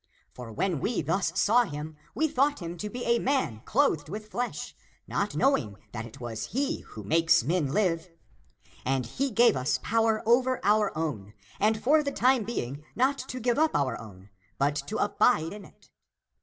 For when we thus saw him, we thought him to be a man clothed with flesh, not knowing that it was he who makes men live. And he gave us power over our own, and for the time being not to give up our own, but to abide in it.